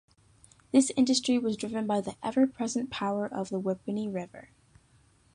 This industry was driven by the ever-present power of the Whippany River.